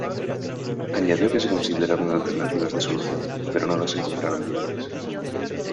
Añadió que se consideraron alternativas de solución, pero no las encontraron viables.